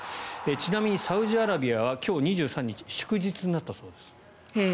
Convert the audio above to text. ちなみにサウジアラビアは今日２３日は祝日になったそうです。